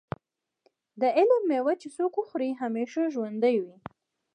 د علم مېوه چې څوک وخوري همیشه ژوندی وي.